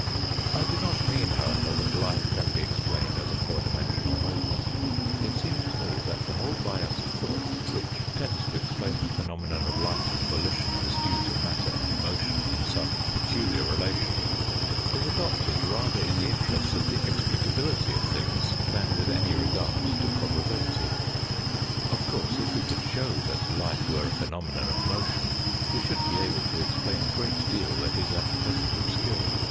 I do not mean, however, that life can be explained as a four dimensional movement. It seems to me that the whole bias of thought, which tends to explain the phenomena of life and volition, as due to matter and motion in some pecuHar relation, is adopted rather in the interests of the explicability of things than with any regard to probability. Of course, if we could show that life were a phenomenon of motion, we should be able to explain a great deal that is at present obscure.